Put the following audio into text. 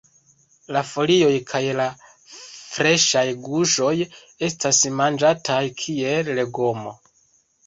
La folioj kaj la freŝaj guŝoj estas manĝataj kiel legomo.